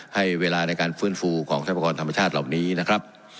ให้เวลาในการฟื้นฟูของทรัพยากรธรรมชาติเหล่านี้นะครับ